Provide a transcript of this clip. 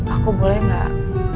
aku boleh gak